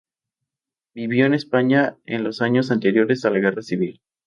Vivió en España en los años anteriores a la Guerra Civil.